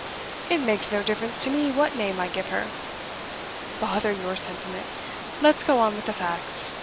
It makes no difference to me what name I give her. Bother your sentiment! let's go on with the facts.